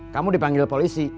kamu dipanggil polisi